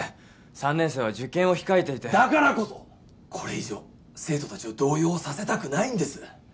３年生は受験を控えていてだからこそこれ以上生徒達を動揺させたくないんです